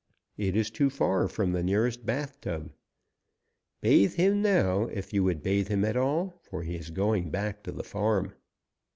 It is too far from the nearest bath tub. Bathe him now, if you would bathe him at all, for he is going back to the farm."